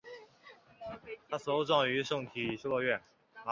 她死后葬于圣体修道院。